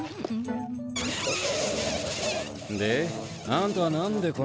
で？あんたは何でこの船に？